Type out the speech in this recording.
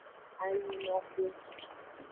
Anyinoxu.